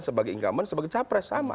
sebagai incumbent sebagai capres sama